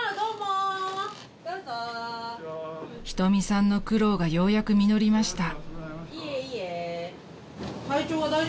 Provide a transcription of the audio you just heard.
［瞳さんの苦労がようやく実りました］